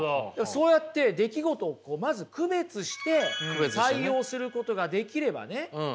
そうやって出来事をまず区別して対応することができればねいいんです。